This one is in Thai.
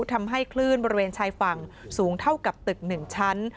ทำให้คลื่นบริเวณชายฝั่งสูงเท่ากับตึก๑ชั้น